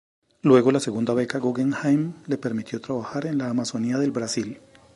Luego, la segunda beca Guggenheim, le permitió trabajar en la Amazonía del Brasil.